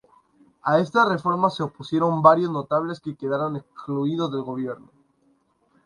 A estas reformas se opusieron varios notables que quedaron excluidos del gobierno.